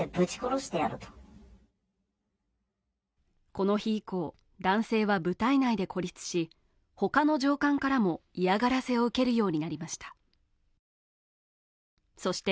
この日以降男性は部隊内で孤立しほかの上官からも嫌がらせを受けるようになりました